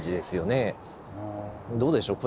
どうでしょう